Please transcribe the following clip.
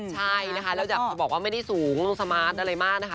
ใช่นะคะแล้วอยากจะบอกว่าไม่ได้สูงลงสมาร์ทอะไรมากนะคะ